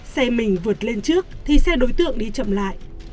xe mình vượt lên trước thì xe đối tượng đi chậm lại